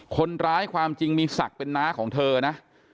ความจริงมีศักดิ์เป็นน้าของเธอนะ